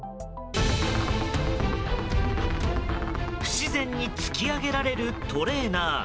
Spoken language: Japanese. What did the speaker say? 不自然に突き上げられるトレーナー。